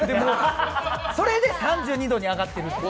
それで３２度に上がっている。